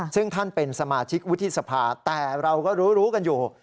ซึ่งท่านเป็นสมาชิกวุฒิสภาแต่เราก็รู้กันอยู่